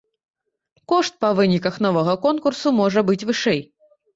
Кошт па выніках новага конкурсу можа быць вышэй.